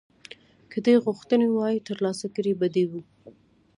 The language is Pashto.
که دې غوښتي وای ترلاسه کړي به دې وو.